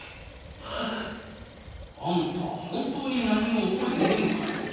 あんた本当に何も覚えてねぇのかよ？